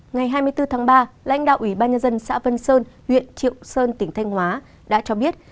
ngày hai mươi bốn tháng ba lãnh đạo ủy ban nhân dân xã vân sơn huyện triệu sơn tỉnh thanh hóa đã cho biết